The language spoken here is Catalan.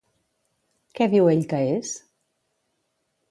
Què diu ell que és?